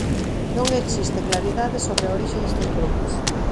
Non existe claridade sobre a orixe destes grupos.